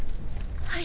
はい。